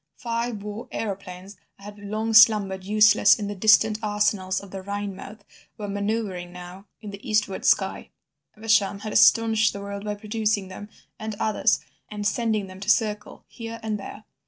Five war aeroplanes that had long slumbered useless in the distant arsenals of the Rhinemouth were manoeuvring now in the eastward sky. Evesham had astonished the world by producing them and others, and sending them to circle here and there.